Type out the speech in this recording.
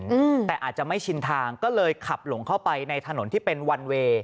อืมแต่อาจจะไม่ชินทางก็เลยขับหลงเข้าไปในถนนที่เป็นวันเวย์